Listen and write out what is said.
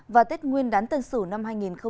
và tết nguyên đán tân sửu năm hai nghìn hai mươi một